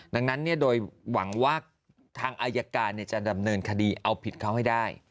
ดังนั้นโดยหวังว่าทางอายการจะดำเนินคดีเอาผิดเขาให้ได้